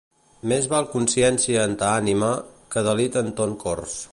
Més val consciència en ta ànima que delit en ton cors.